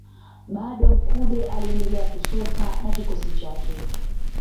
Bado Mkude aliendelea kusota na kikosi chake